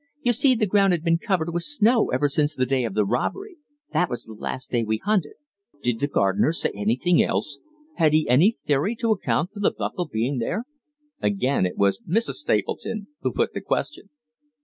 You see, the ground has been covered with snow ever since the day of the robbery; that was the last day we hunted." "Did the gardener say anything else? Has he any theory to account for the buckle being there?" Again it was Mrs. Stapleton who put the question.